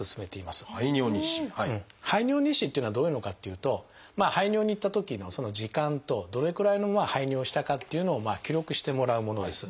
排尿日誌っていうのはどういうのかっていうと排尿に行ったときの時間とどれくらいの排尿をしたかっていうのを記録してもらうものです。